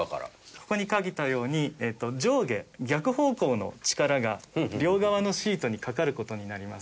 ここに描いたように上下逆方向の力が両側のシートにかかる事になります。